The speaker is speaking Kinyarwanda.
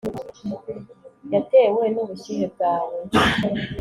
Yatewe nubushyuhe bwawe